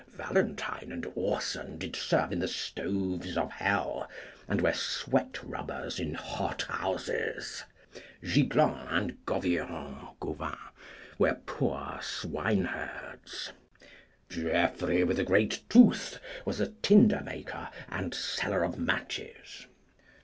Valentine and Orson did serve in the stoves of hell, and were sweat rubbers in hot houses. Giglan and Govian (Gauvin) were poor swineherds. Geoffrey with the great tooth was a tinder maker and seller of matches.